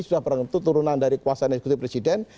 sudah berangkat turunan dari kuasa negeri presiden